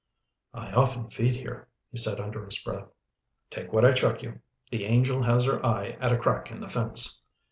"I often feed here," he said under his breath. "Take what I chuck you. The angel has her eye at a crack in the fence."